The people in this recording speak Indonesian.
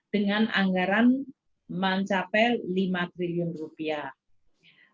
dengan anggaran mencapai lima triliun rupiah